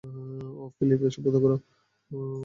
ওহ, Philip, এইসব বন্ধ করো।